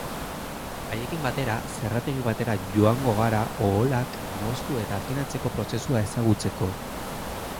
Haiekin batera, zerrategi batera joango gara oholak moztu eta afinatzeko prozesua ezagutzeko.